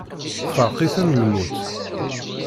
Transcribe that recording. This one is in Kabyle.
Tefreq-iten lmut.